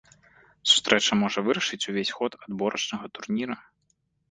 Сустрэча можа вырашыць увесь ход адборачнага турніра.